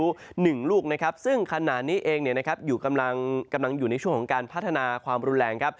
ภายุ๑ลูกซึ่งขณะนี้เองอยู่ในช่วงของการพัฒนาความรุนแรง